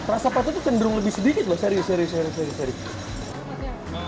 rasa patutnya cenderung lebih sedikit lho serius serius